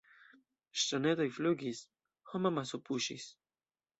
Ŝtonetoj flugis; homamaso puŝis.